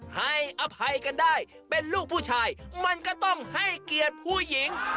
ให้อภัยกันได้เป็นลูกผู้ชายมันก็ต้องให้เกียรติผู้หญิง